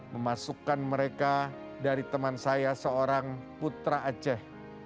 memasukkan mereka dari teman saya seorang putra aceh